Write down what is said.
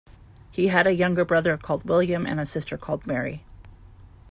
He had a younger brother called William and a sister called Mary.